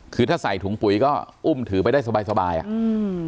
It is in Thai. คือถ้าใส่ถุงปุ๋ยก็อุ้มถือไปได้สบายสบายอ่ะอืม